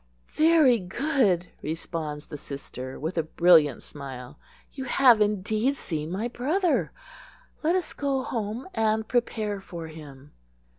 "Very good," responds the sister, with a brilliant smile. "You have indeed seen my brother. Let us go home and prepare for him."